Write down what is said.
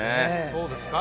そうですか？